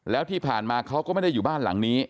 แล้วที่ผ่านมาเขาก็ไม่ได้อยู่บ้านหลังนี้